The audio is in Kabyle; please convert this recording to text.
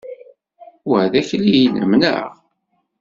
Wa d akli-inem, neɣ?